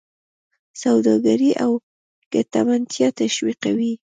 سوداګري او ګټمنتیا تشویقوي.